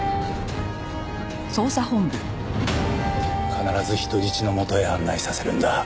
必ず人質のもとへ案内させるんだ。